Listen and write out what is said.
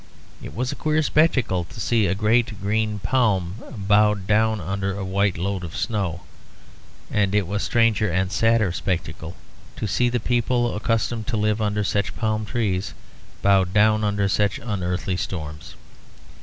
It was a queer spectacle to see a great green palm bowed down under a white load of snow; and it was a stranger and sadder spectacle to see the people accustomed to live under such palm trees bowed down under such unearthly storms.